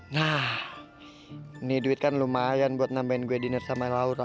nah ini duit kan lumayan buat nambahin wediner sama laura